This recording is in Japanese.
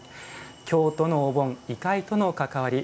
「京都のお盆異界との関わり」